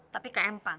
tapi ke empang